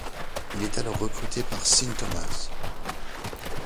Il est alors recruté par Seán Thomas.